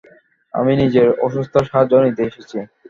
আমি নিজের অসুস্থতার সাহায্য নিতে এসেছি।